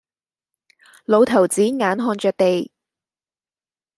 老頭子眼看着地，